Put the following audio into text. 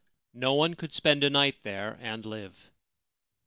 No one could spend a night there and live.